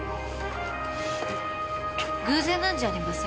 偶然なんじゃありません？